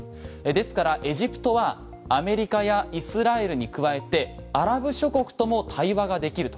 ですから、エジプトはアメリカやイスラエルに加えてアラブ諸国とも対話ができると。